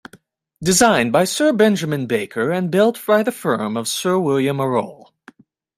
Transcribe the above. Designed by Sir Benjamin Baker and built by the firm of Sir William Arrol.